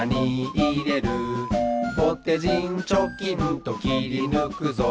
「ぼてじんちょきんときりぬくぞ」